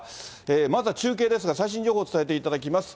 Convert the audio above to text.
まずは中継ですが、最新情報を伝えていただきます。